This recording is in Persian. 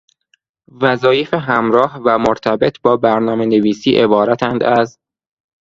وظایف همراه و مرتبط با برنامهنویسی عبارتند از: